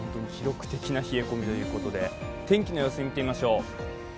記録的な冷え込みということで、天気の様子を見てみましょう。